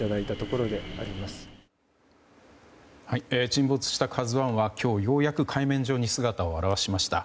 沈没した「ＫＡＺＵ１」は今日ようやく海面上に姿を現しました。